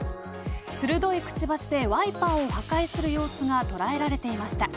鋭いくちばしでワイパーを破壊する様子が捉えられていました。